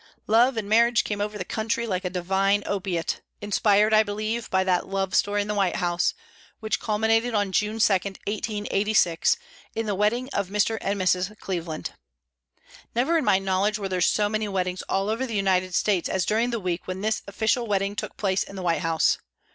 Love and marriage came over the country like a divine opiate, inspired, I believe, by that love story in the White House, which culminated on June 2, 1886, in the wedding of Mr. and Mrs. Cleveland. Never in my knowledge were there so many weddings all over the United States as during the week when this official wedding took place in the White House.